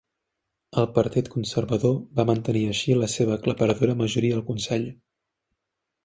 El Partit Conservador va mantenir així la seva aclaparadora majoria al consell.